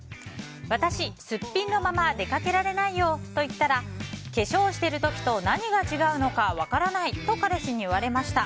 私、すっぴんのまま出かけられないよと言ったら化粧してる時と何が違うのか分からないと彼氏に言われました。